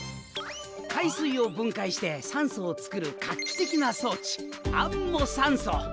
海水を分解して酸素を作る画期的な装置アンモサンソ！